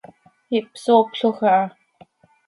Ihpsooploj aha.